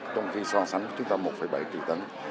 trong khi so sánh chúng ta một bảy triệu tấn